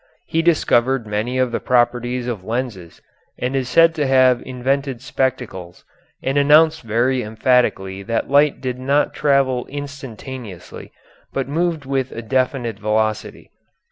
He discovered many of the properties of lenses and is said to have invented spectacles and announced very emphatically that light did not travel instantaneously but moved with a definite velocity.